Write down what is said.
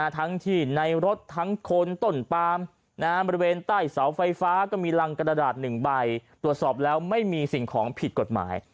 ทั้งที่ในรถทั้งคนต้นปามบริเวณใต้เสาไฟฟ้าก็มีรังกระดาษ๑ใบตรวจสอบแล้วไม่มีสิ่งของผิดกฎหมาย